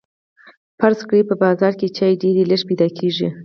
فرض کړئ په بازار کې چای ډیر لږ پیدا کیږي.